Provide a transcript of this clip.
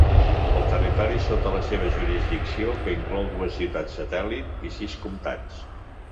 El territori sota la seva jurisdicció, que inclou dues ciutats satèl·lit i sis comtats.